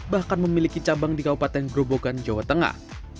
bahkan memiliki cabang di kabupaten grobogan jawa tengah